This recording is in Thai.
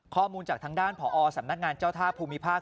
ข้อมูลจากทางด้านผอสำนักงานเจ้าท่าภูมิภาค